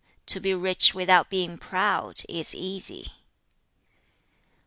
To be rich without being proud is easy.'